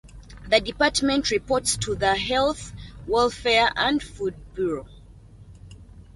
The Department reports to the Health, Welfare and Food Bureau.